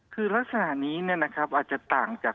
คือลักษณะนี้เนี่ยนะครับอาจจะต่างจาก